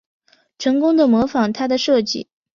成功的模仿他的设计